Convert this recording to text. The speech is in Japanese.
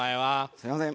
すみません。